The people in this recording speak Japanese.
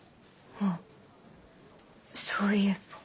あっそういえば。